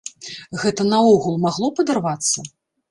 Гэта наогул магло падарвацца?